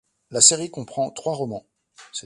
La série comprend trois romans.